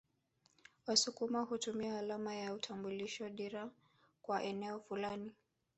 Wasukuma hutumia alama ya utambulisho dira kwa eneo fulani